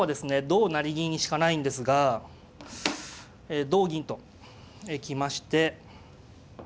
同成銀しかないんですが同銀と行きまして。